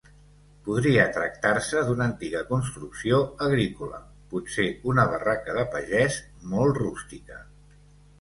Podria tractar-se d'una antiga construcció agrícola, potser una barraca de pagès, molt rústica.